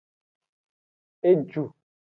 Eju.